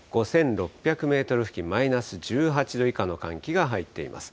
５６００メートル付近、マイナス１８度以下の寒気が入っています。